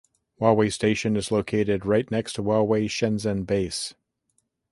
Huawei station is located right next to Huawei Shenzhen Base.